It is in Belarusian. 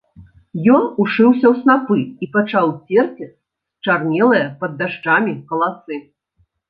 Ён ушыўся ў снапы і пачаў церці счарнелыя пад дажджамі каласы.